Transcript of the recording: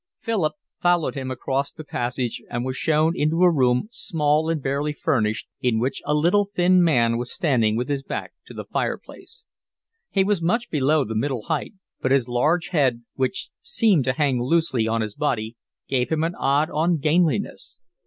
Philip followed him across the passage and was shown into a room, small and barely furnished, in which a little, thin man was standing with his back to the fireplace. He was much below the middle height, but his large head, which seemed to hang loosely on his body, gave him an odd ungainliness.